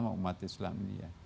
terutama umat islam